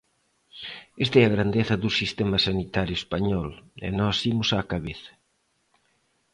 Esta é a grandeza do sistema sanitario español, e nós imos á cabeza.